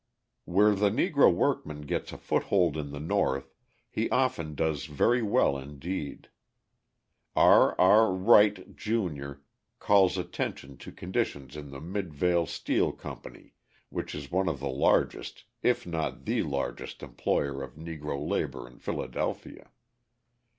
Where the Negro workman gets a foothold in the North, he often does very well indeed. R. R. Wright, Jr., calls attention to conditions in the Midvale Steel Company, which is one of the largest, if not the largest employer of Negro labour in Philadelphia.